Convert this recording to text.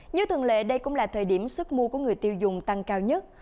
như thường lệ đây cũng là thời điểm sức mua của người tiêu dùng tăng cao nhất